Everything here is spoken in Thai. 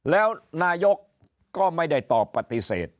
แล้วนายกก็ไม่ได้ตอบปฏิเสธ